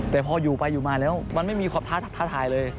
แต่พออยู่ไปอยู่มาแล้วมันไม่มีความท้าทายเลย